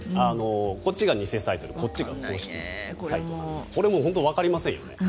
こっちが偽サイトでこっちが公式サイトですがこれも本当にわかりませんよね。